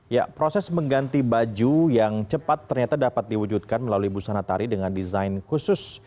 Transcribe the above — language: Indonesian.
ya proses mengganti baju yang cepat ternyata dapat diwujudkan melalui busana tari dengan desain khusus